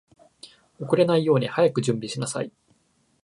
遅れないように早く準備しなさい